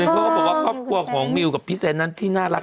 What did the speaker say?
เขาก็บอกว่าครอบครัวของมิวกับพี่เซนนั้นที่น่ารัก